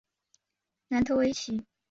楠特威奇。